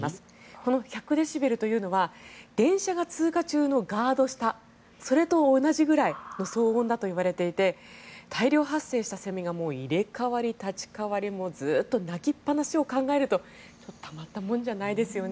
この１００デシベルというのは電車が通過中のガード下それと同じぐらいの騒音だといわれていて大量発生したセミが入れ代わり立ち代わりずっと鳴きっぱなしを考えるとたまったもんじゃないですよね。